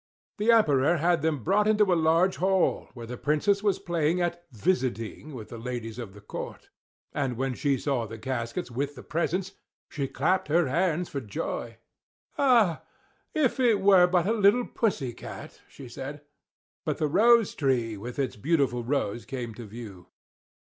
The Emperor had them brought into a large hall, where the Princess was playing at "Visiting," with the ladies of the court; and when she saw the caskets with the presents, she clapped her hands for joy. "Ah, if it were but a little pussy cat!" said she; but the rose tree, with its beautiful rose came to view.